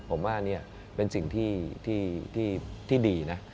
ผมว่านี่เป็นสิ่งที่ดีนะ